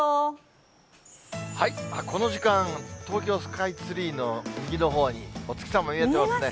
この時間、東京スカイツリーの右のほうにお月様、見えてますね。